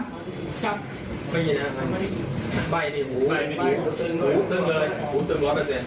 ไปสามจำไม่เห็นน่ะครับไปที่หูหูเติมเลยหูเติมร้อนเปอร์เซนต์